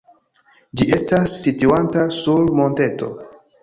Ĝi estas situanta sur monteto.